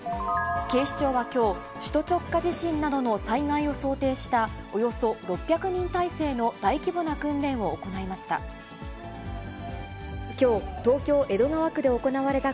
警視庁はきょう、首都直下地震などの災害を想定した、およそ６００人態勢の大規模な訓練を行いました。